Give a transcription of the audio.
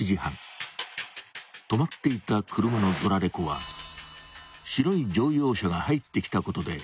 ［止まっていた車のドラレコは白い乗用車が入ってきたことで振動を感知］